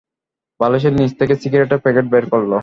বালিশের নিচ থেকে সিগারেটের প্যাকেট বের করল।